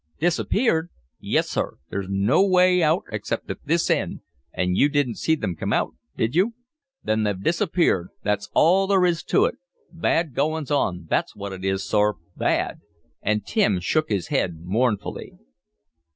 "Disappeared?" "Yis sir. There's no way out except at this end an' you didn't see thim come out: did you?" "Then they've disappeared! That's all there is to it! Bad goin's on, thot's what it is, sor! Bad!" and Tim shook his head mournfully.